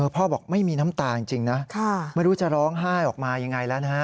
บอกไม่มีน้ำตาจริงนะไม่รู้จะร้องไห้ออกมายังไงแล้วนะฮะ